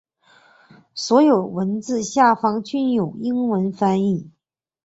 所有文字下方均有英文翻译。